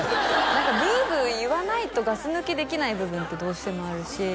何かブーブー言わないとガス抜きできない部分ってどうしてもあるし